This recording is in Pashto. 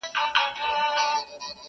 • ته به نسې سړی زما د سترګو توره..